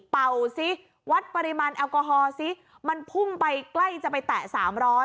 ซิวัดปริมาณแอลกอฮอลซิมันพุ่งไปใกล้จะไปแตะ๓๐๐